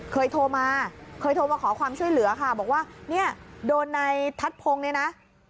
เคยโทรมาเคยโทรมาขอความช่วยเหลือค่ะบอกว่าเนี่ยโดนในทัศพงศ์เนี่ยนะ